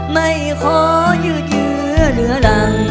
ไม่ขอยืดเยื้อเหลือรัง